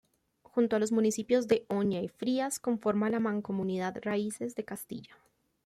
Junto a los municipios de Oña y Frías conforma la mancomunidad Raíces de Castilla.